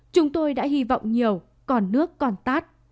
chúng tôi đã hy vọng nhiều còn nước còn tát